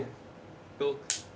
６。